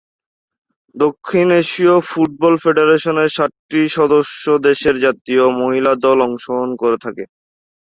দক্ষিণ এশীয় ফুটবল ফেডারেশনের সাতটি সদস্য দেশের জাতীয় মহিলা দল অংশগ্রহণ করে থাকে।